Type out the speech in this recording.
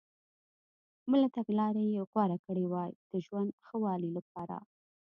بله تګلارې یې غوره کړي وای د ژوند ښه والي لپاره.